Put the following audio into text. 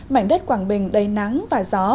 mảnh đất quảng bình đầy nắng và gió